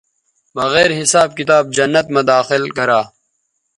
بغیر حساب کتاب نو جنت مہ داخل گرا